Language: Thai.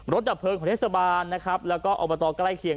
รถดับเพลิงประเทศบาลนะครับแล้วก็ออกมาต่อกล้ายเคียง